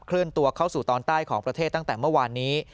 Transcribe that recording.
เลื่อนตัวเข้าสู่ตอนใต้ของประเทศตั้งแต่เมื่อวานนี้